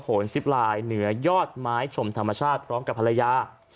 โหนซิปไลน์เหนือยอดไม้ชมธรรมชาติพร้อมกับภรรยา